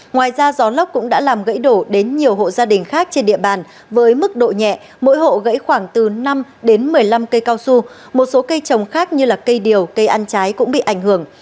ngoài ra gió lốc cũng đã làm gãy đổ đến nhiều hộ gia đình khác trên địa bàn với mức độ nhẹ mỗi hộ gãy khoảng từ năm đến một mươi năm cây cao su một số cây trồng khác như cây điều cây ăn trái cũng bị ảnh hưởng